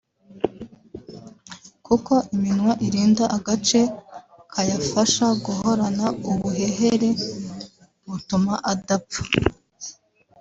kuko iminwa irinda agace kayafasha guhorana ubuhehere butuma adapfa